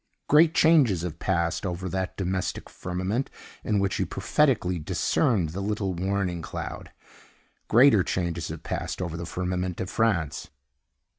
Great changes have passed over that domestic firmament in which he prophetically discerned the little warning cloud. Greater changes have passed over the firmament of France.